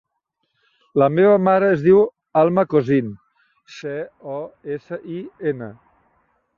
La meva mare es diu Alma Cosin: ce, o, essa, i, ena.